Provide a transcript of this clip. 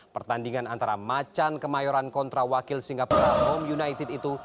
pertandingan antara macan kemayoran kontra wakil singapura bom united itu